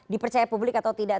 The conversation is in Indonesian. dipercaya publik atau tidak